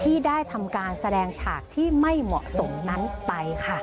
ที่ได้ทำการแสดงฉากที่ไม่เหมาะสมนั้นไปค่ะ